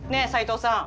齊藤さん。